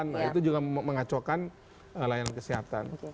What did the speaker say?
nah itu juga mengacaukan layanan kesehatan